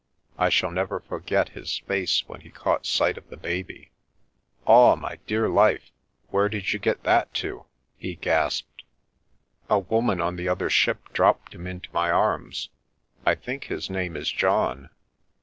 I shall never forget his fac when he caught sight of the baby. " Aw, my dear life, where did you get that to ?" h gasped. "A woman on the other ship dropped him into m; arms. I think his name is John."